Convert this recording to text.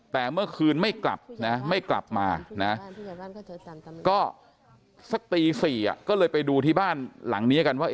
แต่เมื่อคืนไม่กลับนะไม่กลับมานะก็สักตี๔ก็เลยไปดูที่บ้านหลังนี้กันว่า